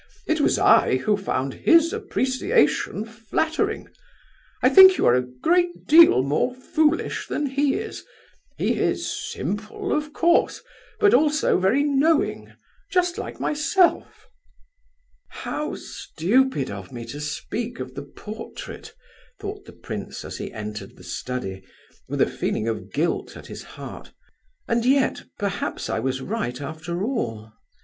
It was I who found his appreciation flattering. I think you are a great deal more foolish than he is. He is simple, of course, but also very knowing. Just like myself." "How stupid of me to speak of the portrait," thought the prince as he entered the study, with a feeling of guilt at his heart, "and yet, perhaps I was right after all."